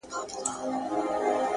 ریښتینی ځواک له دننه راپورته کېږي!